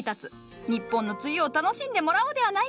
日本の梅雨を楽しんでもらおうではないか。